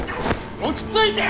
落ち着いて！